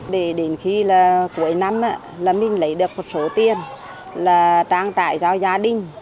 để đến khi cuối năm mình lấy được một số tiền trang trại cho gia đình